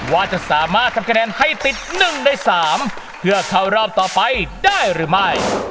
ว่าจะสามารถทำคะแนนให้ติด๑ใน๓เพื่อเข้ารอบต่อไปได้หรือไม่